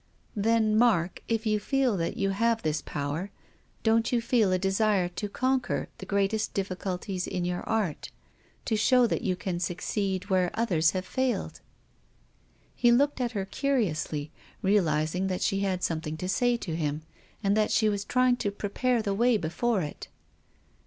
" Then, Mark, if you feel that you have this power, don't you feel a desire to conquer the greatest difificulties in your art, to show that you can succeed where otlicrs have failed ?"" WILLIAM FOSTER." 137 He looked at her curiously, realising that she had something to say to him, and that she was trying to prepare the way before it.